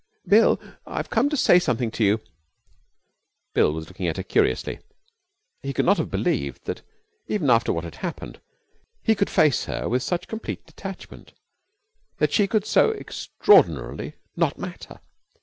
'Bill, I've come to say something to you.' Bill was looking at her curiously. He could not have believed that, even after what had happened, he could face her with such complete detachment; that she could so extraordinarily not matter.